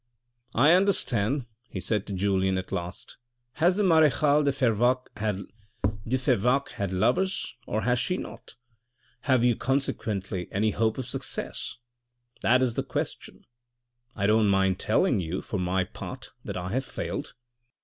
" I understand," he said to Julien at last. " Has the marechale de Fervaques had lovers, or has she not? Have THE MINISTRY OF VIRTUE 409 you consequently any hope of success ? That is the question. I don't mind telling you, for my own part, that I have failed.